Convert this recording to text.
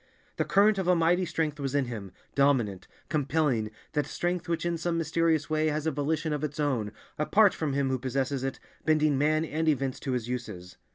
The current of a mighty strength was in him, dominant, compelling, that strength which in some mysterious way has a volition of its own, apart from him who possesses it, bending men and events to his uses.